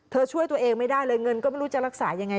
ช่วยตัวเองไม่ได้เลยเงินก็ไม่รู้จะรักษายังไง